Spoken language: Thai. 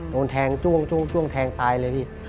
โดนแทงจ้วงตายเลย